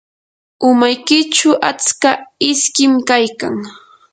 umaykichu atska iskim kaykan.